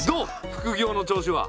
副業の調子は？